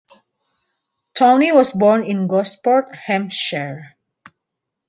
Tawney was born in Gosport, Hampshire.